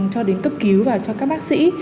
cho đến cấp cứu và cho các bác sĩ